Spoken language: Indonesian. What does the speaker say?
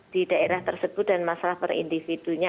di daerah tersebut dan masalah per individunya